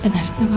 bener gak apa apa